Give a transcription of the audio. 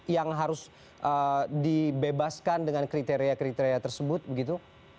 yang harus dibebaskan dengan kriteria kriteria tersebut begitu